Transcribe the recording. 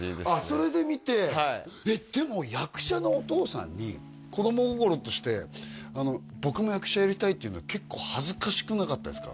それで見てはいでも役者のお父さんに子供心として「僕も役者やりたい」って言うの結構恥ずかしくなかったですか？